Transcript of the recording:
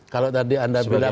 kalau tadi anda bilang